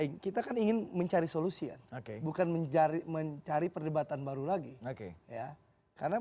kita kan ingin mencari solusi kan oke bukan mencari mencari perdebatan baru lagi oke ya karena